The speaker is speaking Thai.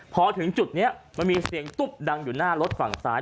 พอถึงจุดนี้มันมีเสียงตุ๊บดังอยู่หน้ารถฝั่งซ้าย